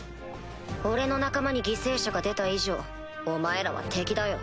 俺の仲間に犠牲者が出た以上お前らは敵だよ。